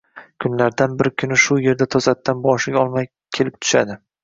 Kunlardan bir kuni shu erda to`satdan boshiga olma kelib tushadi